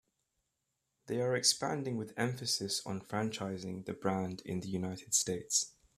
They are expanding with emphasis on franchising the brand in the United States.